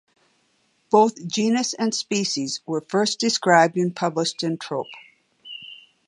Both genus and species were first described and published in Trop.